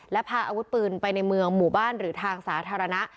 และพาอาวุธปืนไปในเมืองหมู่บ้านหรือทางสาธารณะ